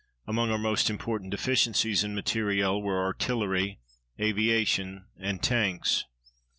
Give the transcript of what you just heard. Among our most important deficiencies in material were artillery, aviation, and tanks.